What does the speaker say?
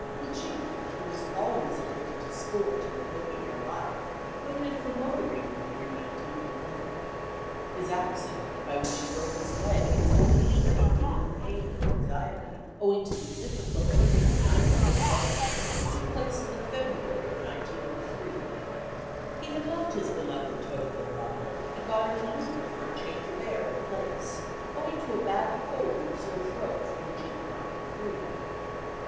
Puccini, who was always addicted to sport and an open air life, went in for motoring in the year 1901. His accident, by which he broke his leg and suffered a great deal of pain and anxiety owing to the difficulty of the uniting of the bone, took place in the February of 1903. He had left his beloved Torre del Lago and gone into Lucca for a change of air and place, owing to a bad cold and sore throat from which he could not get free.